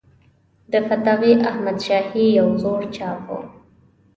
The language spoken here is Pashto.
د فتاوی احمدشاهي یو زوړ چاپ و.